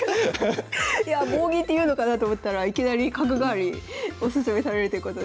いや棒銀って言うのかなと思ったらいきなり角換わりオススメされるということで。